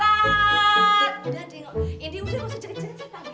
udah udah ini udah gak usah ceritain